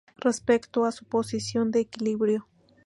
Respecto a su posición de equilibrio.